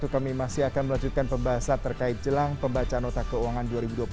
kami masih akan melanjutkan pembahasan terkait jelang pembacaan nota keuangan dua ribu dua puluh tiga